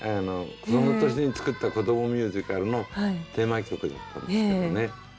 その年に作った子どもミュージカルのテーマ曲だったんですけどね。